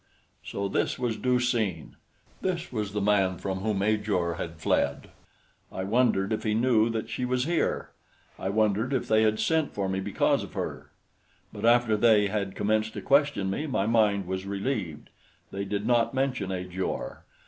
So this was Du seen! This was the man from whom Ajor had fled. I wondered if he knew that she was here. I wondered if they had sent for me because of her; but after they had commenced to question me, my mind was relieved; they did not mention Ajor.